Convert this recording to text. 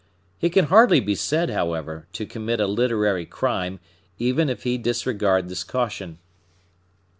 He can hardly be said, however, to commit a literary crime even if he disregard this caution.